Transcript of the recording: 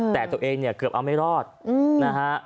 แต่ตัวเองเนี่ยเกือบเอาไม่รอดนะฮะ